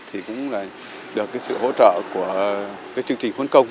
thì cũng là được sự hỗ trợ của chương trình khuyến công